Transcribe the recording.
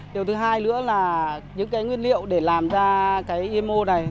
điều thứ hai nữa là những nguyên liệu để làm ra imo này